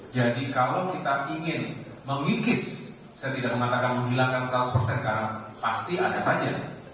jadi kalau kita ingin mengikis saya tidak mengatakan menghilangkan seratus karang pasti ada saja